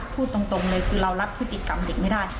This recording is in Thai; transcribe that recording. พูดตรงเลยคือเรารับพฤติกรรมเด็กไม่ได้